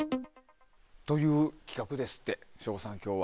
という企画ですって省吾さん、今日は。